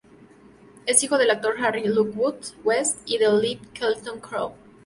Es hijo del actor Harry Lockwood West y de Olive Carleton-Crowe.